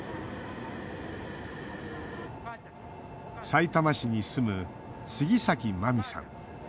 さいたま市に住む杉崎真見さん。